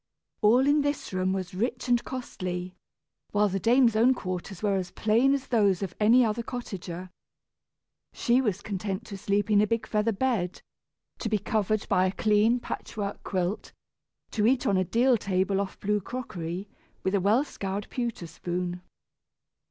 All in this room was rich and costly, while the dame's own quarters were as plain as those of any other cottager. She was content to sleep in a big feather bed, to be covered by a clean patchwork quilt, to eat on a deal table off blue crockery, with a well scoured pewter spoon.